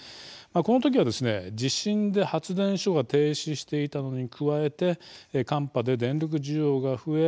このときはですね、地震で発電所が停止していたのに加えて寒波で電力需要が増え